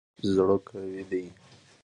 زړه قوي دی.